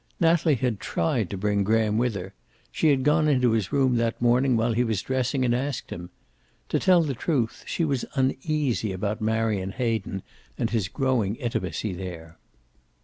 Natalie had tried to bring Graham with her. She had gone into his room that morning while he was dressing and asked him. To tell the truth, she was uneasy about Marion Hayden and his growing intimacy there.